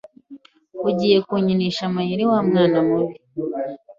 Ugiye kunkinisha amayeri, wa mwana mubi?